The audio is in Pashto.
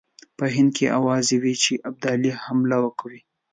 په هند کې آوازې وې چې ابدالي حمله کوي.